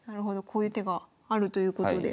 こういう手があるということで。